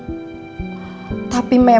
sama keluarga hartawan alfahri itu